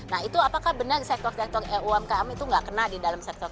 nah itu apakah benar sektor sektor umkm itu nggak kena di dalam sektor